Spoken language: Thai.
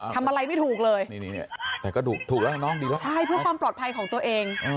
ทำอะไรไม่ถูกเลยแต่ก็ถูกแล้วน้องดีแล้วใช่เพื่อความปลอดภัยของตัวเอง